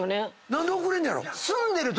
何で遅れんねやろ？